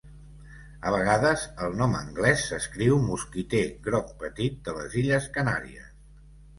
A vegades el nom anglès s'escriu mosquiter groc petit de les Illes Canàries.